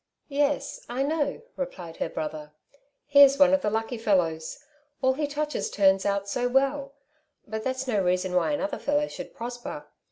'' Yes ; I know," replied her brother ;'' he is one of the lucky fellows; all he touches turns out so well. But that's no reason why another fellow should prosper.